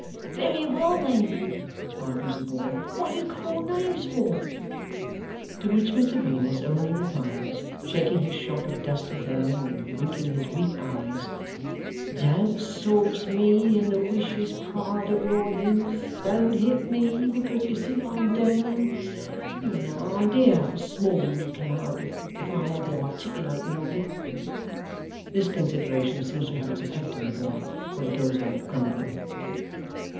'Very well, then,' argues the boy, 'what do you call names for?' To which Mr Venus only replies, shaking his shock of dusty hair, and winking his weak eyes, 'Don't sauce ME, in the wicious pride of your youth; don't hit ME, because you see I'm down. You've no idea how small you'd come out, if I had the articulating of you.' This consideration seems to have its effect on the boy, for he goes out grumbling.